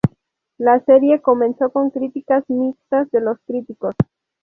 La serie comenzó con críticas mixtas de los críticos.